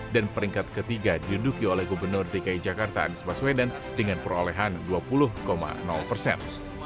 dan peringkat ketiga diduki oleh gubernur dki jakarta anies baswedan dengan perolehan dua puluh persen